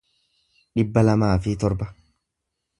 dhibba lamaa fi torba